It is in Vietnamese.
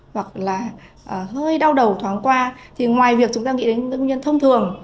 hoặc là hơi đau đầu thoáng qua thì ngoài việc chúng ta nghĩ đến những bệnh nhân thông thường